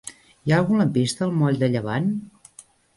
Hi ha algun lampista al moll de Llevant?